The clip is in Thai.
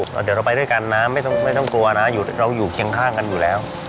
เดี๋ยวเราไปด้วยกันนะไม่ต้องกลัวนะเราอยู่เคียงข้างกันอยู่แล้ว